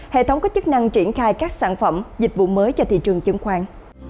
hệ thống có chức năng triển khai các sản phẩm dịch vụ mới cho thị trường chứng khoán